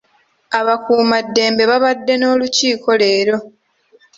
Abakuumaddembe babadde n'olukiiko leero.